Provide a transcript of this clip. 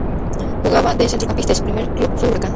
Jugaba de centrocampista y su primer club fue Huracán.